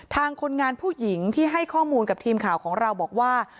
คนงานผู้หญิงที่ให้ข้อมูลกับทีมข่าวของเราบอกว่า